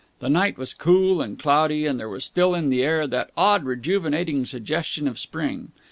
The night was cool and cloudy and there was still in the air that odd, rejuvenating suggestion of Spring.